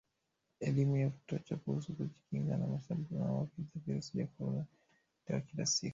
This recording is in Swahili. elimu ya kutosha kuhusu kujikinga na maambukizi ya virusi vya Corona inatolewa kila siku